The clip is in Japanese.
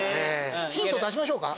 ヒント出しましょうか。